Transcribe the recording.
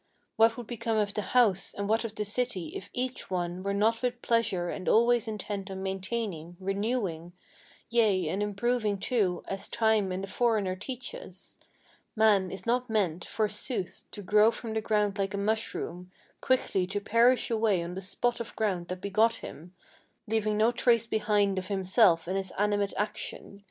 What would become of the house, and what of the city if each one Were not with pleasure and always intent on maintaining, renewing, Yea, and improving, too, as time and the foreigner teach us! Man is not meant, forsooth, to grow from the ground like a mushroom, Quickly to perish away on the spot of ground that begot him, Leaving no trace behind of himself and his animate action!